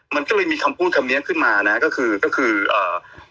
มันก็เลยมีคำพูดคำเนี้ยขึ้นมานะก็คือก็คืออ่า